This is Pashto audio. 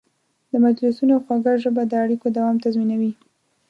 د مجلسونو خوږه ژبه د اړیکو دوام تضمینوي.